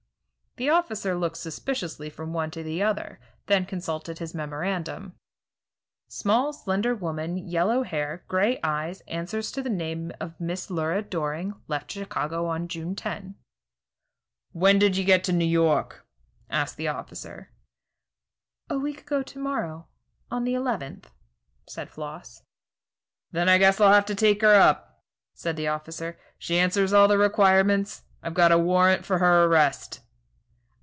The officer looked suspiciously from one to the other, then consulted his memorandum: "Small, slender woman, yellow hair, gray eyes, answers to name of Mrs. Lura Doring. Left Chicago on June 10." "When did she get to New York?" asked the officer. "A week ago to morrow, on the eleventh," said Floss. "Then I guess I'll have to take her up," said the officer; "she answers all the requirements. I've got a warrant for her arrest."